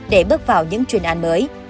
để bước vào những chuyên án mới